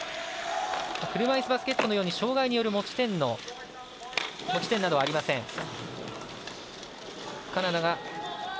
車いすバスケットのように障がいによる持ち点などはありません。